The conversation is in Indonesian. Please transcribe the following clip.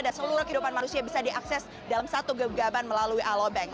dan seluruh kehidupan manusia bisa diakses dalam satu genggaman melalui aloe bank